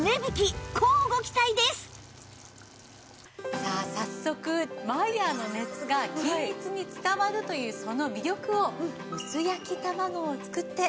さあさあ早速マイヤーの熱が均一に伝わるというその魅力を薄焼き卵を作ってご紹介頂きましょう。